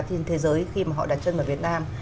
trên thế giới